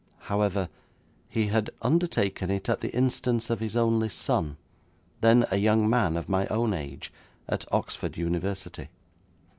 However, he had undertaken it at the instance of his only son, then a young man of my own age, at Oxford University.